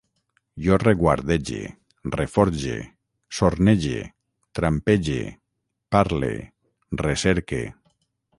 Jo reguardege, reforge, sornege, trampege, parle, recerque